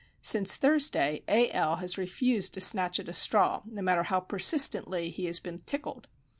Since Thursday, A. L. has refused to snatch at a straw, no matter how persistently he has been "tickled."